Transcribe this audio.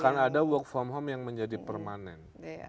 akan ada work from home yang menjadi permanen